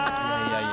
いや。